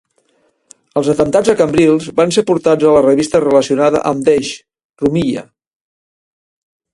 Els atemptats a Cambrils van ser portada a la revista relacionada amb Desh, Rumiyah.